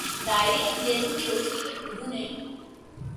دائرے اندھیروں کے روشنی کے پوروں نے